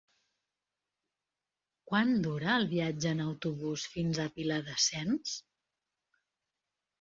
Quant dura el viatge en autobús fins a Viladasens?